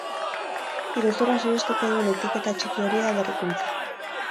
Iruzurra saihestuko duen etiketa txiki hori da berrikuntza.